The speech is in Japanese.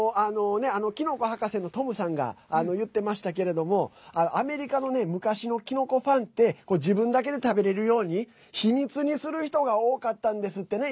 キノコ博士のトムさんが言ってましたけれどもアメリカのね昔のキノコファンって自分だけで食べれるように秘密にする人が多かったんですってね。